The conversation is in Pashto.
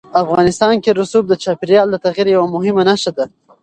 افغانستان کې رسوب د چاپېریال د تغیر یوه مهمه نښه ده.